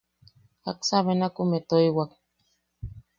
¿Jaksa benakumeʼe toiwak?